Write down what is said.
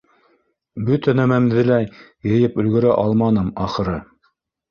Бөтә нәмәмде лә йыйып өлгөрә алманым, ахыры!